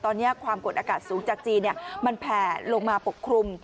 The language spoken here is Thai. ตอนนี้ความกดอากาศสูงจากจีนมันแผ่ลงมาปกคลุม